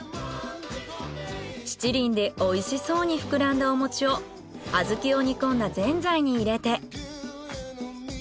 七輪で美味しそうに膨らんだお餅を小豆を煮込んだぜんざいに入れて。